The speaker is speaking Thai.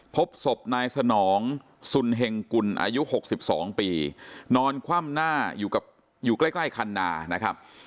พบศพนายสนองสุนเห็งกุลอายุ๖๒ปีนอนคว่ำหน้าอยู่กับอยู่ใกล้คันนานะครับ